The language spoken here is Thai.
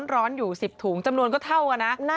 ร้อนอยู่๑๐ถุงจำนวนก็เท่ากันนะ